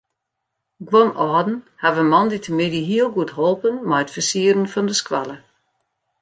Guon âlden hawwe moandeitemiddei hiel goed holpen mei it fersieren fan de skoalle.